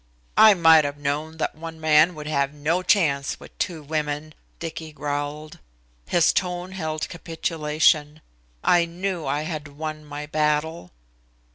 "I might have known that one man would have no chance with two women," Dicky growled. His tone held capitulation. I knew I had won my battle.